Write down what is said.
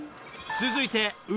［続いて］